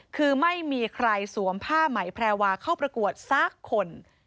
คือไม่มีใครสวมผ้าไหมแพรวาเข้าประกวดสักคน